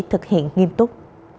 thực hiện nghiêm túc